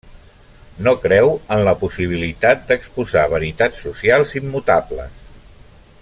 No creu en la possibilitat d'exposar veritats socials immutables.